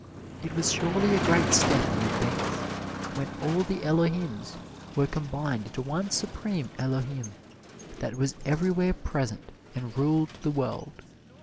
It was surely a great step in advance when all the Elohims were combined into one Supreme Elohim that was everywhere present and ruled the world.